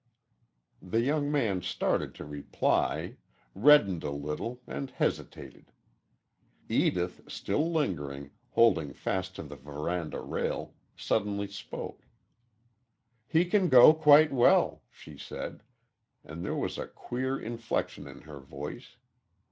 The young man started to reply, reddened a little and hesitated. Edith, still lingering, holding fast to the veranda rail, suddenly spoke. "He can go quite well," she said, and there was a queer inflection in her voice.